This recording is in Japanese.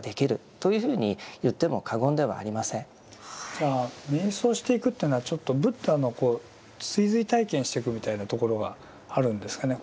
じゃあ瞑想していくというのはちょっとブッダの追随体験してくみたいなところがあるんですかね。